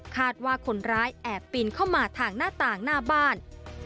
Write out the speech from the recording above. คาดว่าคนร้ายแอบปีนเข้ามาทางหน้าต่างหน้าบ้าน